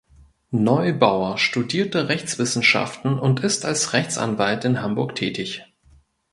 Neubauer studierte Rechtswissenschaften und ist als Rechtsanwalt in Hamburg tätig.